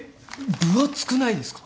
分厚くないですか？